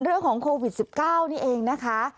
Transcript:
เรื่องของโควิด๑๙นี่เองนะคะ